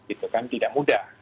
itu kan tidak mudah